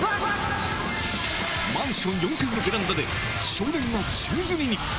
マンション４階のベランダで、少年が宙づりに。